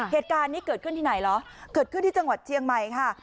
เหตุการณ์นี้เกิดขึ้นที่ไหนเหรอเกิดขึ้นที่จังหวัดเชียงใหม่ค่ะ